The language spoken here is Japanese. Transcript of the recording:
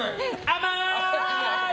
甘い！